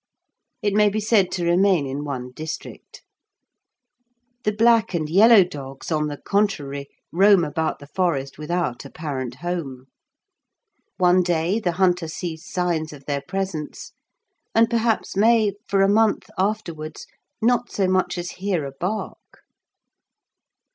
It may be said to remain in one district. The black and yellow dogs, on the contrary, roam about the forest without apparent home. One day the hunter sees signs of their presence, and perhaps may, for a month afterwards, not so much as hear a bark.